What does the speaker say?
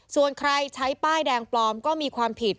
ส่วนใครใช้ป้ายแดงปลอมก็มีความผิด